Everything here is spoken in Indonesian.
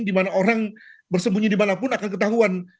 di mana orang bersembunyi di mana pun akan ketahuan